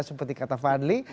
seperti kata fadli